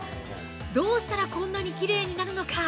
どうしたら、こんなにきれいになるのか。